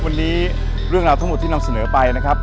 วันนี้เรื่องราวทั้งหมดที่นำเสนอไปนะครับ